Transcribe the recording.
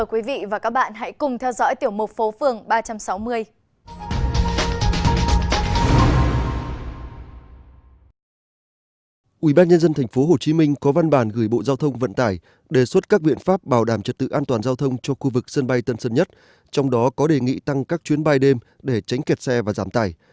ủy ban nhân dân tp hcm có văn bản gửi bộ giao thông vận tải đề xuất các viện pháp bảo đảm trật tự an toàn giao thông cho khu vực sân bay tân sơn nhất trong đó có đề nghị tăng các chuyến bay đêm để tránh kẹt xe và giảm tải